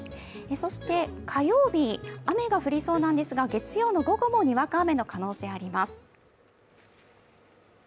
そして火曜日、雨が降りそうなんですが月曜の午後もにわか雨の可能性があります。